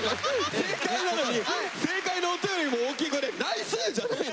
正解なのに正解の音よりも大きい声で「ナイス」じゃないのよ。